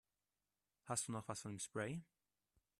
Hast du noch was von dem Spray?